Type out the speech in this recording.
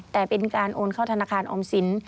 แต่เป็นการโอนเข้าธนาคารออมสิน